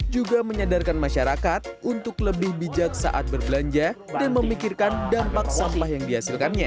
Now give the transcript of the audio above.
juga menyadarkan masyarakat untuk lebih bijak saat berbelanja dan memikirkan dampak sampah yang dihasilkannya